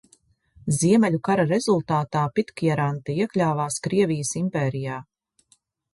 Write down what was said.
Ziemeļu kara rezultātā Pitkjaranta iekļāvās Krievijas impērijā.